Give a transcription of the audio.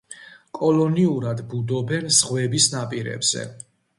კოლონიურად ბუდობენ ზღვების ნაპირებზე.